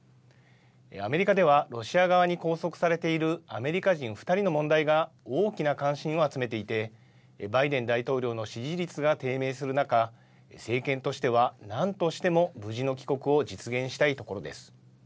アメリカでは、ロシア側に拘束されているアメリカ人２人の問題が大きな関心を集めていて、バイデン大統領の支持率が低迷する中、政権としてはなんとしても無事の帰国を実現したいところです。